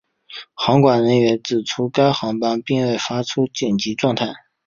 航管人员指出该航班并未发出紧急状态。